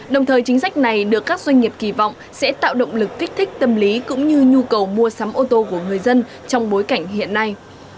đồng thời chính sách này được các doanh nghiệp kỳ vọng sẽ tạo động lực kích thích tâm lý cũng như nhu cầu mua sắm ô tô của người dân trong bối cảnh hiện nay